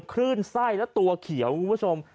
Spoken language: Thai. คลื่นไส้และตัวเขียว